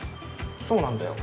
そうなんだよ。